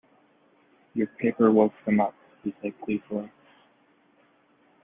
“Your paper woke them up,” he said gleefully.